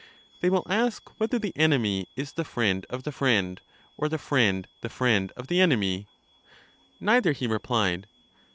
They will ask whether the enemy is the friend of the friend, or the friend the friend of the enemy? Neither, he replied.